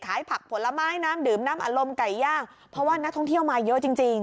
ผักผลไม้น้ำดื่มน้ำอารมณ์ไก่ย่างเพราะว่านักท่องเที่ยวมาเยอะจริงจริง